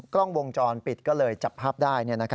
กล้องวงจรปิดก็เลยจับภาพได้